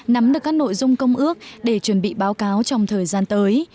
nắm được các nội dung công ước để chuẩn bị báo cáo trong thời gian tới